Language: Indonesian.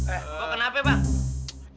eh kok kenapa bang